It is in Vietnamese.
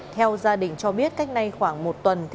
theo gia đình cho biết cách nay khoảng một tuần